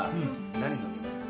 何飲みますか？